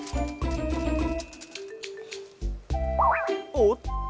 おっと！